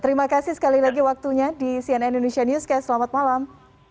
terima kasih sekali lagi waktunya di cnn indonesia newscast selamat malam